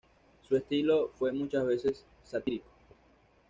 Su estilo fue muchas veces satírico.